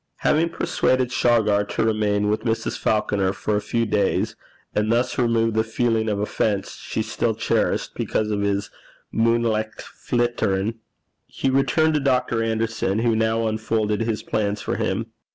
Having persuaded Shargar to remain with Mrs. Falconer for a few days, and thus remove the feeling of offence she still cherished because of his 'munelicht flittin',' he returned to Dr. Anderson, who now unfolded his plans for him.